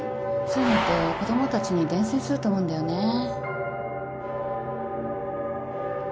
そういうのって子供たちに伝染すると思うんだよねぇ